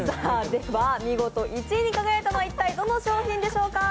見事１位に輝いたのは一体どの商品でしょうか？